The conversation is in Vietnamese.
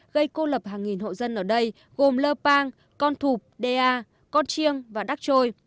gây cô lập hàng nghìn hộ dân ở đây gồm lơ pang con thụp da con chiêng và đắc trôi